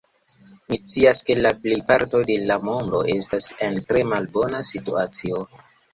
Mi scias, ke la plejparto de la mondo estas en tre malbona situacio.